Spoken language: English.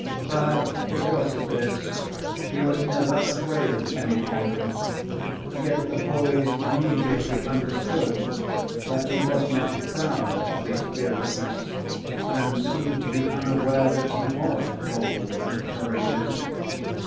Perhaps because of this, he was never afraid of any one, yet the boys immediately understood that he was not proud of his fearlessness and seemed to be unaware that he was bold and courageous.